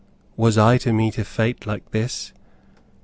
Was I to meet a fate like this?